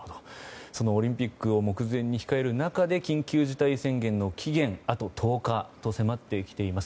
オリンピックを目前に控える中で緊急事態宣言の期限があと１０日と迫ってきています。